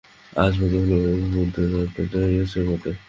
আজ পথ ভোলবার মতোই রাতটা হয়েছে বটে।